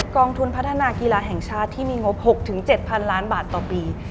กองทุนพัฒนากีฬาแห่งชาติที่มีงบ๖๗๐๐ล้านบาทต่อปี